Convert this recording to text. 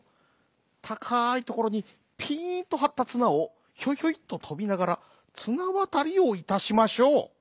たかいところにピンとはったつなをひょいひょいっととびながらつなわたりをいたしましょう」。